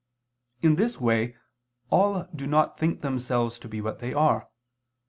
In this way, all do not think themselves to be what they are.